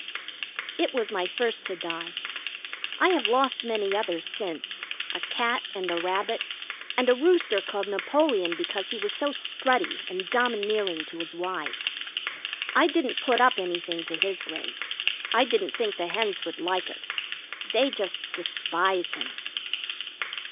It was my first to die. I have lost many others since: a cat, and a rabbit, and a rooster called Napoleon because he was so strutty and domineering to his wives. I didn't put up anything to his grave. I didn't think the hens would like it. They just despised him.